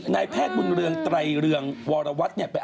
นายแพทย์บุญเรืองไตรเรืองวรวัตรเนี่ย